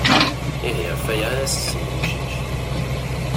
Ihi ɣef waya i as-zzin yemcac.